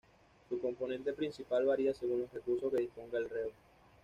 Su componente principal varía según los recursos que disponga el reo.